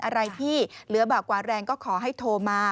อะไรที่เหลือบากกว่าแรงก็ขอให้โทรมา